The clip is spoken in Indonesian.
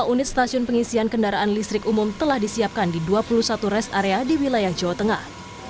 lima unit stasiun pengisian kendaraan listrik umum telah disiapkan di dua puluh satu rest area di wilayah jawa tengah